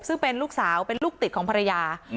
ซึ่งเป็นลูกสาวเป็นลูกติดของภรรยา